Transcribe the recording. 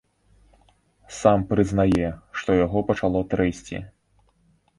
Сам прызнае, што яго пачало трэсці.